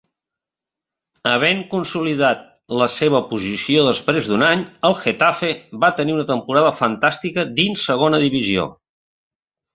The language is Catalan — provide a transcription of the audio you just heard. Havent consolidat la seva posició després d'un any, el Getafe va tenir una temporada fantàstica dins segona divisió.